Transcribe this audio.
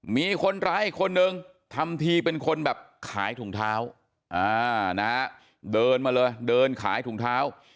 มีคนร้ายอีกคนนึงทำทีเป็นคนแบบขายถุงเท้าเดินมาเลยเดินขายถุงเท้า